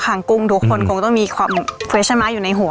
คางกุ้งทุกคนคงต้องมีความอยู่ในหัว